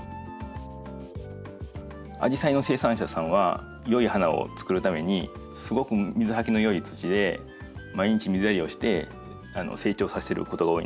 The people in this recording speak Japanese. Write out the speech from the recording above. アジサイの生産者さんは良い花をつくるためにすごく水はけの良い土で毎日水やりをして成長させてることが多いんですね。